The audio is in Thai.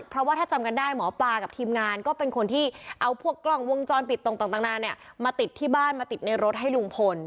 เพราะว่าถ้าจำกันได้หมอปลากับทีมงานก็เป็นคนที่เอาพวกกล้องวงจรปิดตรงต่างนานเนี่ยมาติดที่บ้านมาติดในรถให้ลุงพล